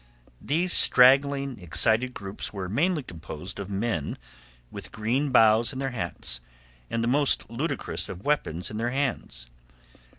These straggling, excited groups were mainly composed of men with green boughs in their hats and the most ludicrous of weapons in their hands.